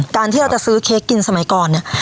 การที่เราจะซื้อเค้กกินสมัยก่อนเนี่ย